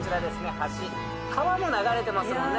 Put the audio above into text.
橋川も流れてますもんね。